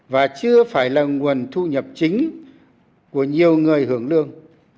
và chưa phải là nguồn thu nhập chính của nhiều người hưởng lương